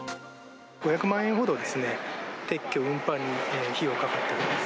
５００万円ほどですね、撤去、運搬に費用かかってます。